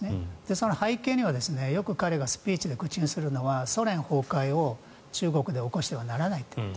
その背景には、よく彼がスピーチで口にするのはソ連崩壊を中国で起こしてはならないということ。